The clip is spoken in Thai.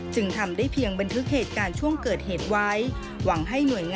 จึงทำได้เพียงบนทึกเหตุการณ์ช่วงเกิดเหตุไว้